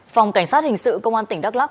phòng cảnh sát hình sự công an tỉnh đắk lắc